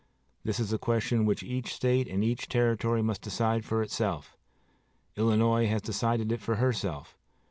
This is a question which each State and each Territory must decide for itself. Illinois has decided it for herself.